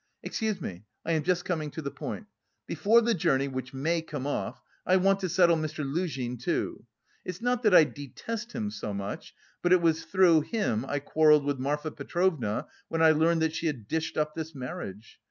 Excuse me, I am just coming to the point. Before the journey which may come off, I want to settle Mr. Luzhin, too. It's not that I detest him so much, but it was through him I quarrelled with Marfa Petrovna when I learned that she had dished up this marriage.